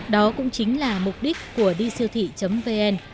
đó cũng chính là mục đích của disiêu thị vn